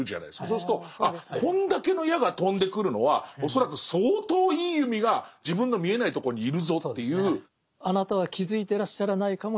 そうするとあこんだけの矢が飛んでくるのは恐らく相当いい弓が自分の見えないとこにいるぞっていう。